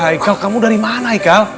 haikal kamu dari mana haikal